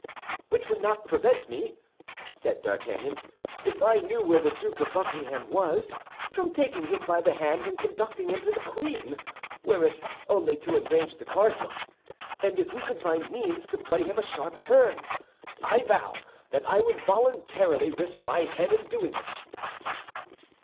"Which would not prevent me," said D'Artagnan, "if I knew where the Duke of Buckingham was, from taking him by the hand and conducting him to the queen, were it only to enrage the cardinal, and if we could find means to play him a sharp turn, I vow that I would voluntarily risk my head in doing it."